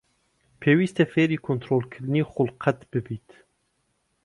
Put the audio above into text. پێویستە فێری کۆنتڕۆڵکردنی خوڵقت ببیت.